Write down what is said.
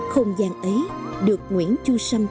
không gian ấy được nguyễn chu sông